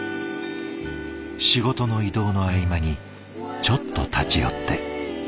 仕事の移動の合間にちょっと立ち寄って。